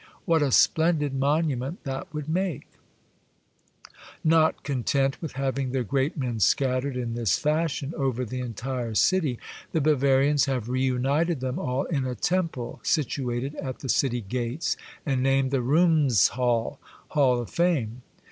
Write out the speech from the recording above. What a splendid monument that would make ! Not content with having their great men scat tered in this fashion over the entire city, the Bavarians have reunited them all in a Temple situated at the city gates, and named the Ruhmes halle (Hall of Fame).